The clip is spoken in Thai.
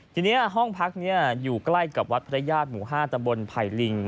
ทีนี้ห้องพักนี้อยู่ใกล้กับวัดพระญาติหมู่๕ตำบลไผ่ลิง